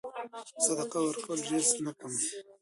صدقه ورکول رزق نه کموي.